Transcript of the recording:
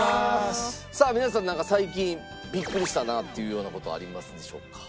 さあ皆さんなんか最近ビックリしたなっていうような事ありますでしょうか？